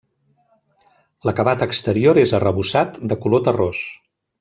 L'acabat exterior és arrebossat de color terrós.